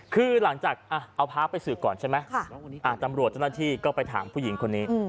คือหลังจากเอาพระไปสืบก่อนใช่ไหมตำรวจเจ้าหน้าที่ก็ไปถามผู้หญิงคนนี้